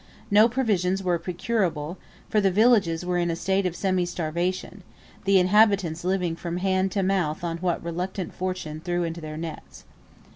No provisions were procurable, for the villages were in a state of semi starvation, the inhabitants living from hand to mouth on what reluctant Fortune threw into their nets.